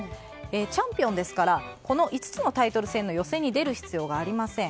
チャンピオンですから５つのタイトル戦の予選に出る必要がありません。